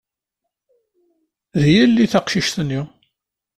D yelli teqcict-nni.